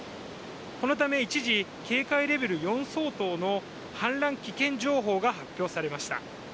このため一時警戒レベル４相当の氾濫危険情報が発表されました。